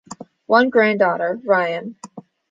One granddaughter, Ryan.